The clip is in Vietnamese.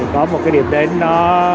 có một cái điểm đến nó